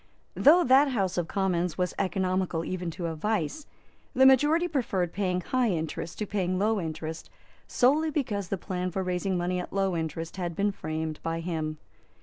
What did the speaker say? Though that House of Commons was economical even to a vice, the majority preferred paying high interest to paying low interest, solely because the plan for raising money at low interest had been framed by him.